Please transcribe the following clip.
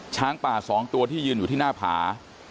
ช้างป่า๒ตัวที่ยืนอยู่ที่หน้าผา